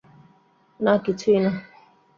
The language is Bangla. না কিছুই না?